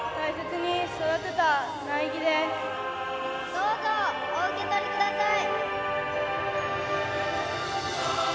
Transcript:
どうぞお受け取りください。